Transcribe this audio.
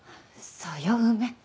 そうよ梅。